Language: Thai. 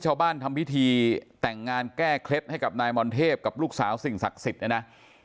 ทำพิธีแต่งงานแก้เคล็ดให้กับนายมนเทพกับลูกสาวสิ่งศักดิ์สิทธิ์เนี่ยนะ